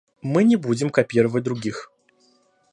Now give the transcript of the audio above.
Мы не будем копировать других.